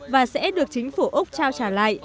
và sẽ được chính phủ úc trao trả lại